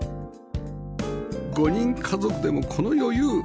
５人家族でもこの余裕